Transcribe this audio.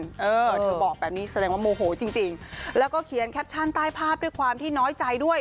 เออเธอบอกแบบนี้แสดงว่าโมโหจริงจริงแล้วก็เขียนแคปชั่นใต้ภาพด้วยความที่น้อยใจด้วย